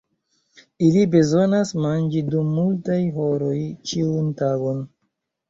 Ili bezonas manĝi dum multaj horoj ĉiun tagon.